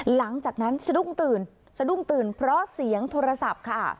หลังจากนั้นสะดุ้งตื่นสะดุ้งตื่นเพราะเสียงโทรศัพท์ค่ะ